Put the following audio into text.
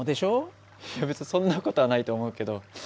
いや別にそんな事はないと思うけど。